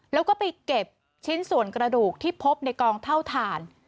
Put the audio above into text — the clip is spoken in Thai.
แล้วก็ไปเก็บชิ้นส่วนกระดูกที่พบในกองเท่าฐาน